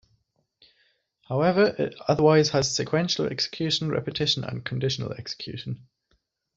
However, it otherwise has sequential execution, repetition, and conditional-execution.